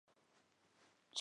چې د بورې پسې د خلکو ژبې وې.